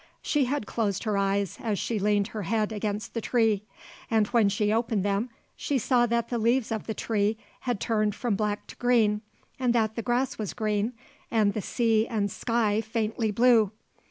She had closed her eyes as she leaned her head against the tree and when she opened them she saw that the leaves of the tree had turned from black to green and that the grass was green and the sea and sky faintly blue.